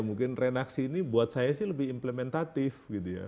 mungkin renaksi ini buat saya sih lebih implementatif gitu ya